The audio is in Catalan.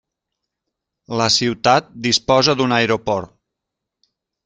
La ciutat disposa d'un aeroport.